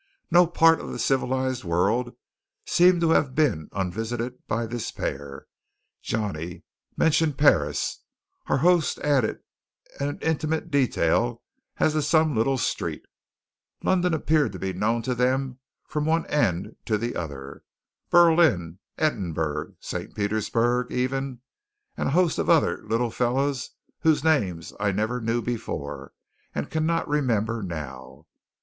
No part of the civilized world seemed to have been unvisited by this pair. Johnny mentioned Paris, our host added an intimate detail as to some little street; London appeared to be known to them from one end to the other; Berlin, Edinburgh, St. Petersburg even; and a host of other little fellows whose names I never knew before and cannot remember now.